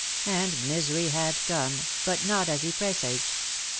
And misery had come, but not as he presaged.